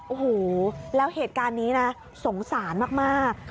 โอ้โหแล้วเหตุการณ์นี้นะสงสารมาก